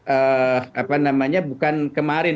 apa namanya bukan kemarin